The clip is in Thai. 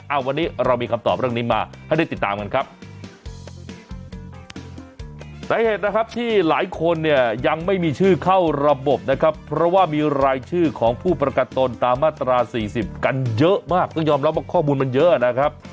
วันนี้เรามีคำตอบเรื่องนี้มาให้ได้ติดตามกันครับ